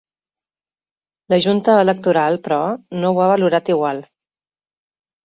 La junta electoral, però, no ho ha valorat igual.